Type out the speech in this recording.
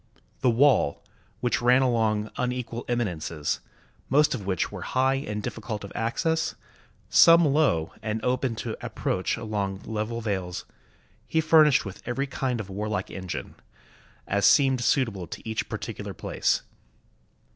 The wall, which ran along unequal eminences, most of which were high and difficult of access, some low and open to ap proach along level vales, he furnished with every kind of warlike engine, as seemed suitable to each particular place.